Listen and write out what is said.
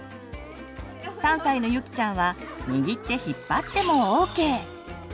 ３歳のゆきちゃんはにぎって引っ張ってもＯＫ！